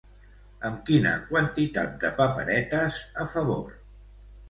Amb quina quantitat de paperetes a favor?